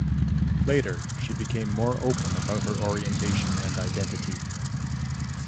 Later she became more open about her orientation and identity.